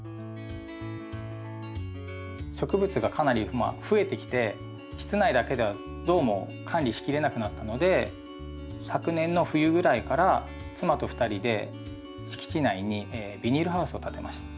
植物がかなり増えてきて室内だけではどうも管理しきれなくなったので昨年の冬ぐらいから妻と２人で敷地内にビニールハウスを建てました。